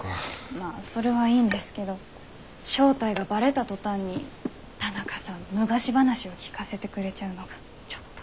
まあそれはいいんですけど正体がばれた途端に田中さん昔話を聞かせてくれちゃうのがちょっと。